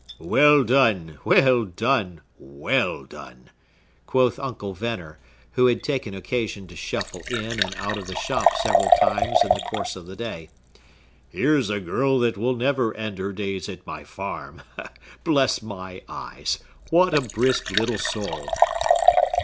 "Well done! well done! well done!" quoth Uncle Venner, who had taken occasion to shuffle in and out of the shop several times in the course of the day. "Here's a girl that will never end her days at my farm! Bless my eyes, what a brisk little soul!"